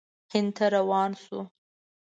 هند ته روان شو.